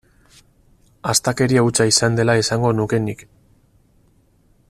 Astakeria hutsa izan dela esango nuke nik.